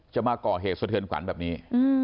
จะมาก่อเหตุสุดเทินขวัญแบบนี้